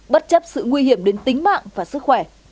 bất chấp sự nguy hiểm đến tính mạng và sức khỏe